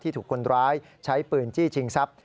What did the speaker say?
ถูกคนร้ายใช้ปืนจี้ชิงทรัพย